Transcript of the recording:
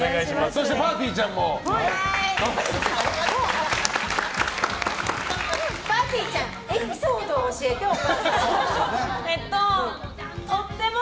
そして、ぱーてぃーちゃんも。